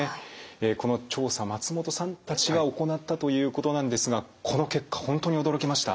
この調査松本さんたちが行ったということなんですがこの結果本当に驚きました。